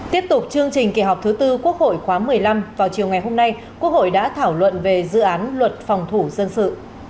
tiếp tục chương trình kỳ họp thứ tư quốc hội khóa một mươi năm vào chiều ngày hôm nay quốc hội đã thảo luận về dự án luật phòng thủ dân sự